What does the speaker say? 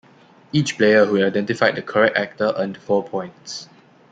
Each player who identified the correct actor earned four points.